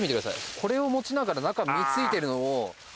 これを持ちながら実ついてるのを。